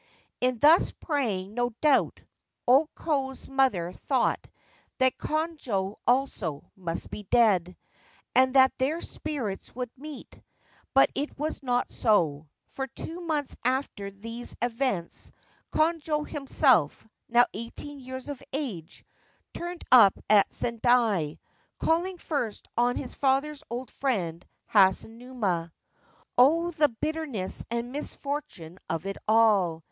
In thus praying, no doubt, O Ko's mother thought that Konojo also must be dead, and that their spirits would meet ; but it was not so, for two months after these events Konojo himself, now eighteen years of age, turned up at Sendai, calling first on his father's old friend Hasunuma. c Oh, the bitterness and misfortune of it all